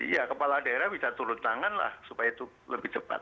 ya kepala daerah bisa turut tanganlah supaya itu lebih cepat